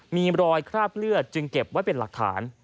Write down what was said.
มีรอยคราบเลือดจึงเก็บไว้เป็นหลักฐาน